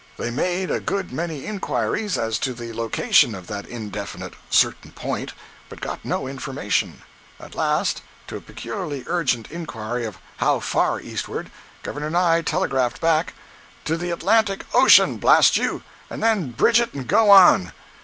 They made a good many inquiries as to the location of that indefinite "certain point," but got no information. At last, to a peculiarly urgent inquiry of "How far eastward?" Governor Nye telegraphed back: "To the Atlantic Ocean, blast you!—and then bridge it and go on!"